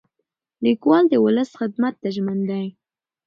لیکوال د ولس خدمت ته ژمن دی.